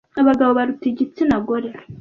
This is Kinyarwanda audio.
Abagabo baruta igitsina gore